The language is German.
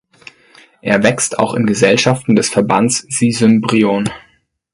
Er wächst auch in Gesellschaften des Verbands Sisymbrion.